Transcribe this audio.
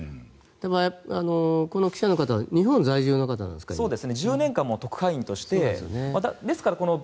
でも、この記者の方は日本在住の方なんですか。